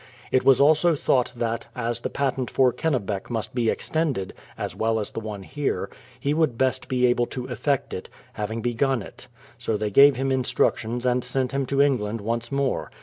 It was also thought that, as the pat ent for Kennebec must be extended, as well as the one here, he would best be able to effect it, having begim it. So they gave him instructions and sent him to England once more.